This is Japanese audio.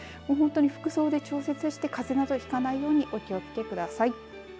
服装で調節して風邪などをひかないようにお気をつけください。